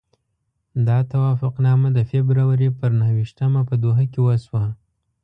دا توافقنامه د فبروري پر نهه ویشتمه په دوحه کې وشوه.